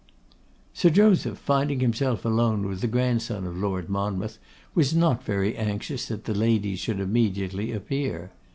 Sir Joseph, finding himself alone with the grandson of Lord Monmouth, was not very anxious that the ladies should immediately appear.